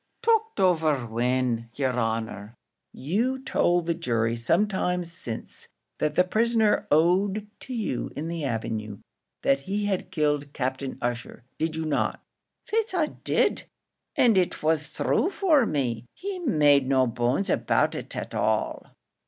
"Talked over when, yer honour?" "You told the jury some time since that the prisoner owned to you in the avenue that he had killed Captain Ussher, did you not?" "Faix, I did and it was thrue for me he made no bones about it at all."